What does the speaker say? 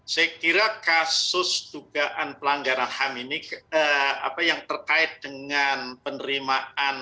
saya kira kasus dugaan pelanggaran ham ini yang terkait dengan penerimaan